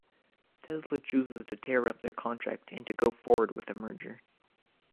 Tesla chooses to tear up their contract and to go forward with the merger.